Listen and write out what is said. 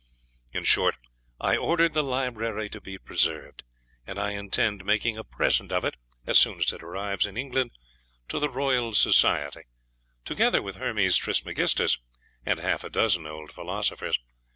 In short, I ordered the library to be preserved, and I intend making a present of it, as soon as it arrives in England, to the Royal Society, together with Hermes Trismegistus, and half a dozen old philosophers.